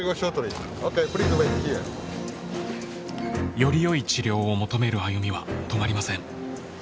よりよい治療を求める歩みは止まりません。